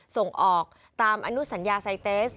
ส่งออกตามอนุสัญญาไซเตส